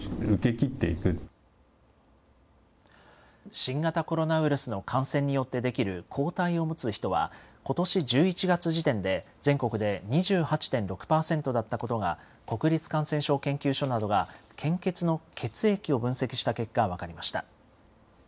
新型コロナウイルスの感染によってできる抗体を持つ人は、ことし１１月時点で、全国で２８．６％だったことが、国立感染症研究所などが献血の血液を分析した結果、分かりました。